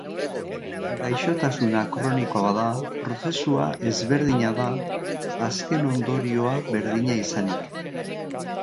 Gaixotasuna kronikoa bada, prozesua ezberdina da, azken ondorioa berdina izanik.